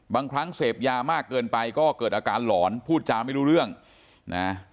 บางครั้งเสพยามากเกินไปก็เกิดอาการหลอนพูดจาไม่รู้เรื่องนะ